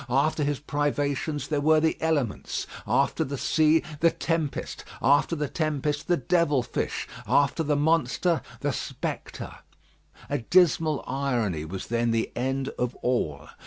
After his privations there were the elements; after the sea the tempest, after the tempest the devil fish, after the monster the spectre. A dismal irony was then the end of all.